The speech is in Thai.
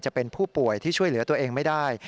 จะเป็นผู้ป่วยที่ช่วยเหลือตัวเองไม่ได้